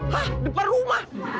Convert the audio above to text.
hah depan rumah